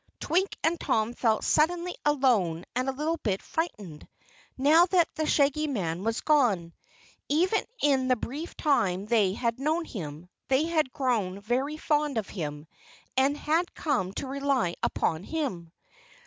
Twink and Tom felt suddenly alone and a little bit frightened, now that the Shaggy Man was gone. Even in the brief time they had known him, they had grown very fond of him, and had come to rely upon him.